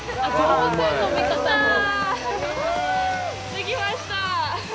できました。